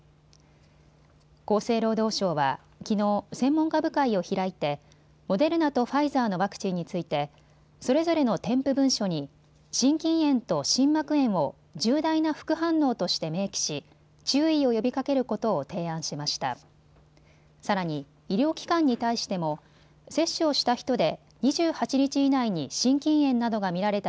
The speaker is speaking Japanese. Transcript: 厚生労働省はきのう専門家部会を開いてモデルナとファイザーのワクチンについてそれぞれの添付文書に心筋炎と心膜炎を重大な副反応として明記し注意を呼びかけることを提案しました。